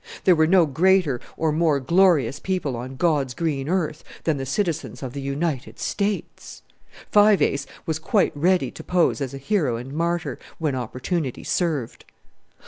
There were no greater or more glorious people on God's green earth than the citizens of the United States! Five Ace was quite ready to pose as a hero and martyr, when opportunity served.